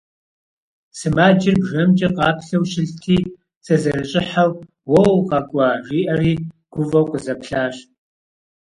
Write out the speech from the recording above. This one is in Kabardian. Сымаджэр бжэмкӀэ къаплъэу щылъти, сызэрыщӀыхьэу «Уо, укъэкӀуа!» жиӀэри гуфӀэу къызэплъащ.